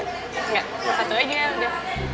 enggak satu aja ya